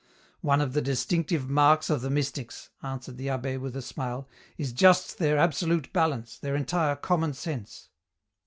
" One of the distinctive marks of the mystics," answered the abb6, with a smile, " is just their absolute balance, their entire common sense."